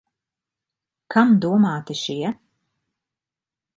Kam domāti šie?